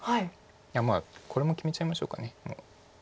まあこれも決めちゃいましょうかもう。